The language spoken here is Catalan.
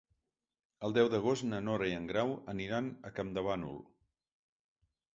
El deu d'agost na Nora i en Grau aniran a Campdevànol.